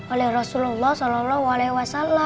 oleh rasulullah saw